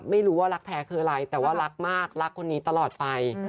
ไม่รู้ว่ารักแท้คืออะไรแต่ว่ารักมากรักคนนี้ตลอดไป